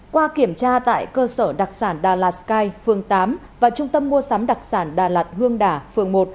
qua kiểm tra tại cơ sở đặc sản đà lạt sky phường tám và trung tâm mua sắm đặc sản đà lạt hương đà phường một